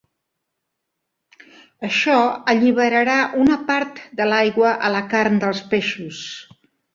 Això "alliberarà" una part de l'aigua a la carn dels peixos.